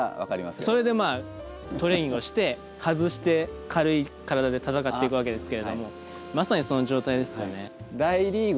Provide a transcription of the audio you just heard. それでまあトレーニングをして外して軽い体で戦っていくわけですけれどもまさにその状態ですよね。